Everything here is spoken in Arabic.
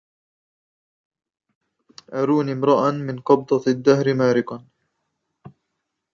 أروني امرءا من قبضة الدهر مارقا